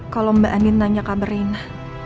kalau mbak andi nanya kabar ini